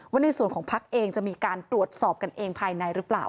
ในส่วนของพักเองจะมีการตรวจสอบกันเองภายในหรือเปล่า